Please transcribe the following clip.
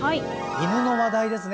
犬の話題ですね。